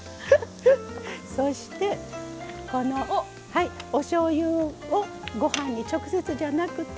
そしてこのおしょうゆをご飯に直接じゃなくて鍋肌にね。